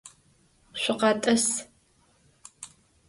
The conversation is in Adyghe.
Şükhet'ıs!